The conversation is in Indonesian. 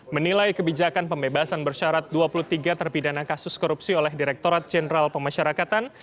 menilai kebijakan pembebasan bersyarat dua puluh tiga terpidana kasus korupsi oleh direkturat jenderal pemasyarakatan